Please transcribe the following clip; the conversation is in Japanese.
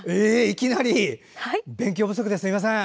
いきなり？勉強不足ですみません。